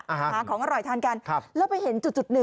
หาของอร่อยทานกัน